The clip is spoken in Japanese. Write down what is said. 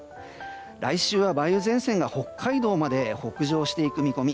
来週は梅雨前線が北海道まで北上していく見込み。